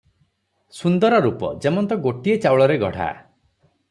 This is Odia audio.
ସୁନ୍ଦର ରୂପ ଯେମନ୍ତ ଗୋଟିଏ ଚାଉଳରେ ଗଢ଼ା ।